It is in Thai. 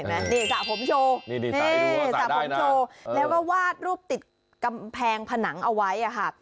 นี่สระผมโชว์นี่สระผมโชว์แล้วก็วาดรูปติดกำแพงผนังเอาไว้ค่ะ